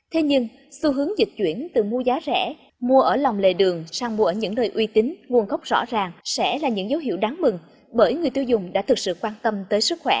thế nhưng xu hướng dịch chuyển từ mua giá rẻ mua ở lòng lề đường sang mua ở những nơi uy tín nguồn gốc rõ ràng sẽ là những dấu hiệu đáng mừng bởi người tiêu dùng đã thực sự quan tâm tới sức khỏe